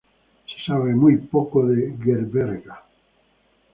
Se sabe muy poco de Gerberga.